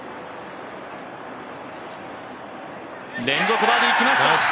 連続バーディー、きました！